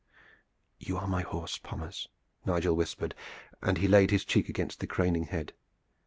"You are my horse, Pommers," Nigel whispered, and he laid his cheek against the craning head.